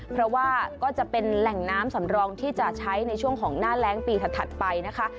เพราะว่าก็จะเป็นแหล่งน้ำสำรองที่จะใช้ในช่วงของหน้าแรงปีถัดไปนะคะ